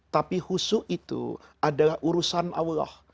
tapi husu itu adalah urusan allah